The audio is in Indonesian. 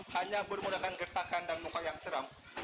hanya bermudah dengan getakan dan muka yang seram